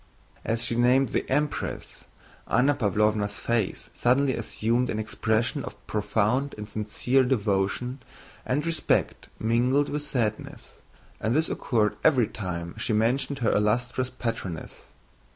As she named the Empress, Anna Pávlovna's face suddenly assumed an expression of profound and sincere devotion and respect mingled with sadness, and this occurred every time she mentioned her illustrious patroness.